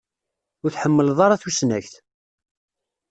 Ur tḥemmleḍ ara tusnakt.